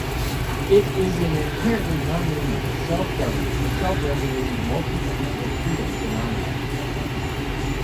It is an inherently nonlinear, self-governed or self-regulated, multi-degree-of-freedom phenomenon.